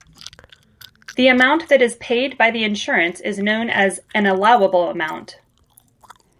The amount that is paid by the insurance is known as an allowable amount.